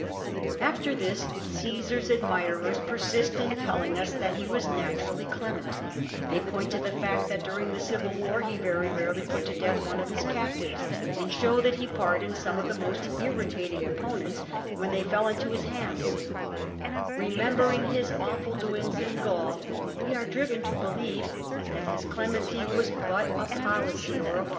After this, Cmsar's aclmirera p(H\sist in telling us that he was naturally clement;^ they pohit to the fact that during the Civil War he very rarely put to death one of his captives,^ and show that he pardoned some of his most irritating opponents when they fell into his hands, liemembering his awful doings in Caul, are driven to believe that Ids clemency was but a policy or a pose.